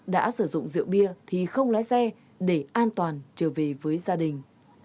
đã sử dụng rượu bia thì không lái xe để an toàn trở về với gia đình